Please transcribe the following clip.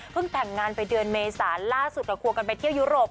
แต่งงานไปเดือนเมษาล่าสุดควงกันไปเที่ยวยุโรป